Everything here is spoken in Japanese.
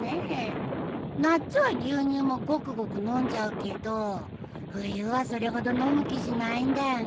夏は牛乳もゴクゴク飲んじゃうけど冬はそれほど飲む気しないんだよね。